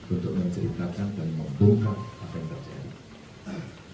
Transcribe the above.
untuk menceritakan dan membongkar apa yang terjadi